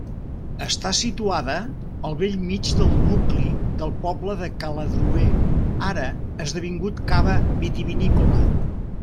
Està situada al bell mig del nucli del poble de Caladroer, ara esdevingut cava vitivinícola.